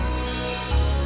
mau ke mana sih